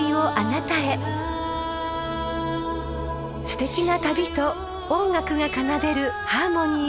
［すてきな旅と音楽が奏でるハーモニー］